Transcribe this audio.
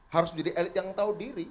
harus menjadi elit yang tahu diri